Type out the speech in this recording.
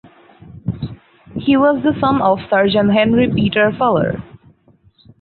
He was the son of surgeon Henry Peter Fuller.